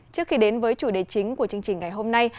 trước khi đến với chủ đề chính của chương trình ngày hôm nay